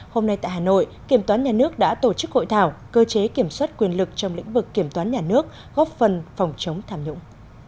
hôm nay tại hà nội kiểm toán nhà nước đã tổ chức hội thảo cơ chế kiểm soát quyền lực trong lĩnh vực kiểm toán nhà nước góp phần phòng chống tham nhũng